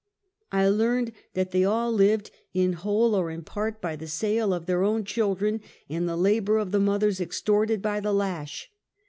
I learned that they all lived, in whole or in part, by the sale of their own children, and the labor of the mothers extorted by the lash.